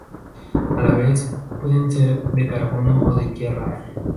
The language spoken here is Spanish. A la vez, pueden ser de carbono o de tierra.